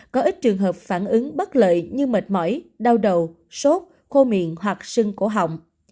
có ít trường hợp phản ứng bất lợi như mệt mỏi đau đầu sốt khô miệng hoặc sưng cổ họng